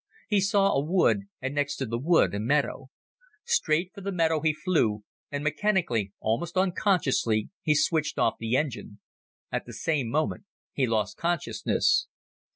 He saw a wood and next to the wood a meadow. Straight for the meadow he flew and mechanically, almost unconsciously, he switched off the engine. At the same moment he lost consciousness.